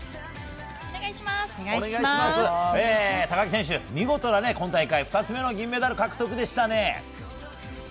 高木選手、見事な今大会２つ目の銀メダル獲得でしたね。